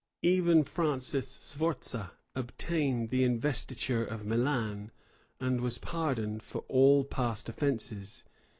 Even Francis Sforza obtained the investiture of Milan, and was pardoned for all past offences.